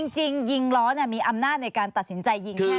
จริงยิงล้อมีอำนาจในการตัดสินใจยิงแค่